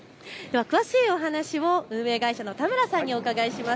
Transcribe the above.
詳しいお話を運営会社の田村さんにお伺いします。